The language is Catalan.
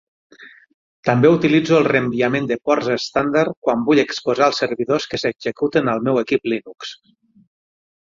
També utilitzo el reenviament de ports estàndard quan vull exposar els servidors que s'executen al meu equip Linux.